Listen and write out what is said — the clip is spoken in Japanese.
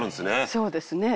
そうですね。